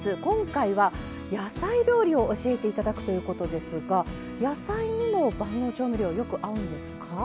今回は野菜料理を教えて頂くということですが野菜にも万能調味料よく合うんですか？